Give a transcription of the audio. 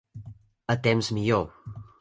A temps millor.